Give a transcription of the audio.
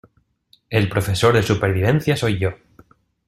el profesor de supervivencia soy yo.